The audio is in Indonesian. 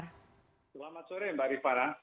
selamat sore mbak ripara